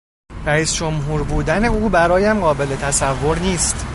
رییس جمهور بودن او برایم قابل تصور نیست.